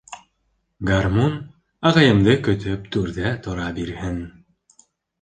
Гармун, ағайымды көтөп, түрҙә тора бирһен!